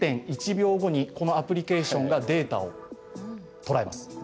０．１秒後にこのアプリケーションがデータを捉えます。